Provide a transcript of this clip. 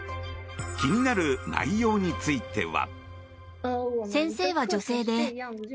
気になる内容については。